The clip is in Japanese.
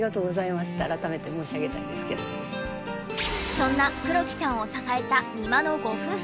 そんな黒木さんを支えた美馬のご夫婦。